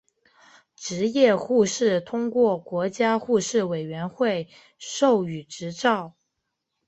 执业护士通过国家护士委员会授予执照。